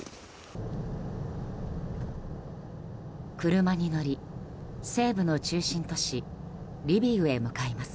車に乗り、西部の中心都市リビウへ向かいます。